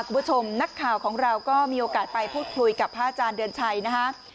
คุณผู้ชมนักข่าวของเราก็มีโอกาสไปพูดคุยกับพระอาจารย์เดือนชัยนะฮะ